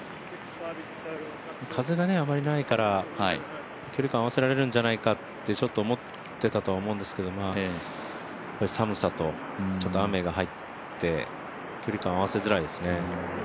風があまりないから、距離感合わせられるんじゃないかって思っていたんですけど寒さとちょっと雨が入って、距離感合わせづらいですね。